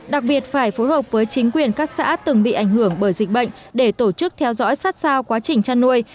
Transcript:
đặc biệt phải phối hợp với chính quyền các xã từng bị ảnh hưởng bởi dịch bệnh để tổ chức theo dõi sát sao quá trình chăn nuôi